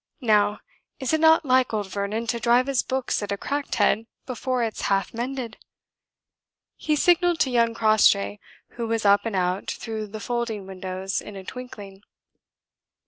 Now, is it not like old Vernon to drive his books at a cracked head before it's half mended?" He signalled to young Crossjay, who was up and out through the folding windows in a twinkling.